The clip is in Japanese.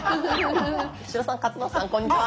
八代さん勝俣さんこんにちは。